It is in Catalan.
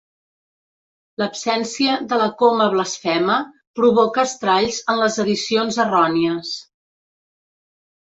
L'absència de la "coma blasfema" provoca estralls en les edicions errònies.